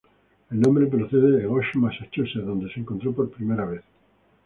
El nombre procede de Goshen, Massachusetts, donde se encontró por primera vez.